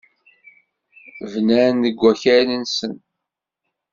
Bnan deg wakal-nsen.